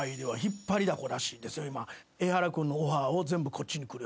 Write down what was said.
エハラ君のオファーを全部こっちに来るように。